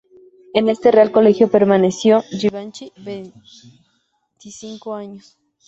En este Real Colegio permaneció Giannini veinticinco años.